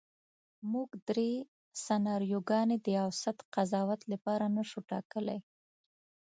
موږ درې سناریوګانې د اوسط قضاوت لپاره نشو ټاکلی.